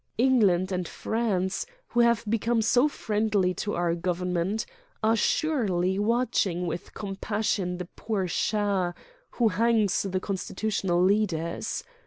England and France, who have become so friendly to our Government, are surely watching with compassion the poor Shah, who hangs the constitutional leaders.